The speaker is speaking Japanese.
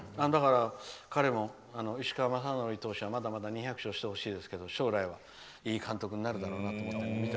石川雅規投手はまだまだ、２００勝してほしいですけど、将来はいい監督になるだろうなと。